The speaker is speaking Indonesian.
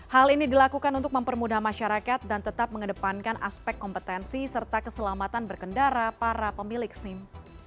hal ini dilakukan untuk mempermudah masyarakat dan tetap mengedepankan aspek kompetensi serta keselamatan berkendara para pemilik sim